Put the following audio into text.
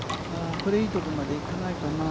これ、いいところまで行かないかなぁ。